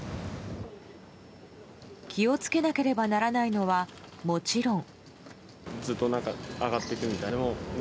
気を付けなければならないのはもちろん。